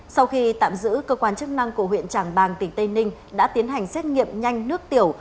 sau khi tạm giữ cơ quan chức năng của huyện trảng bàng tỉnh tây ninh đã tiến hành xét nghiệm nhanh nước tiểu